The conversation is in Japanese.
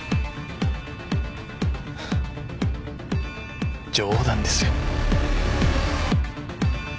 フッ冗談ですよ。